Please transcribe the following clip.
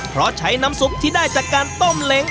เพราะใช้น้ำซุปที่ได้จากการต้มเล้ง